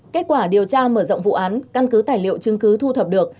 kết quả điều tra mở rộng vụ án căn cứ tài liệu chứng cứ thu thập được